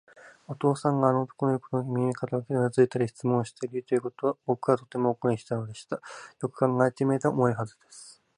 お父さんがあの男のいうことに耳を傾け、うなずいたり、質問したりしていることを、ぼくはとても誇りにしたのでした。よく考えてみれば、思い出すはずです。